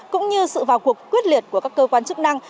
cũng như sự vào cuộc quyết liệt của các cơ quan chức năng